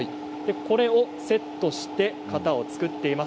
これをセットして型を作っています。